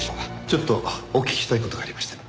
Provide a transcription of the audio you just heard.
ちょっとお聞きしたい事がありまして。